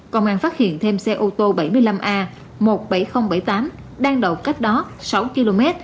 công an phát hiện thêm xe ô tô bảy mươi năm a một mươi bảy nghìn bảy mươi tám đang đầu cách đó sáu km